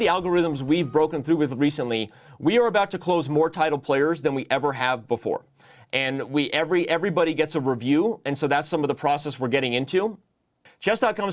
algoritma chess com bertugas membandingkan